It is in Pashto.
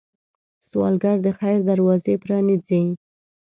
سوالګر د خیر دروازې پرانيزي